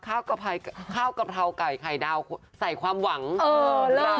ข้าวกระเภทข้าวกระเทาไก่ไข่ดาวใส่ความหวังเออเล่น